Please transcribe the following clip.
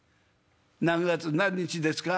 何月何日ですか？」。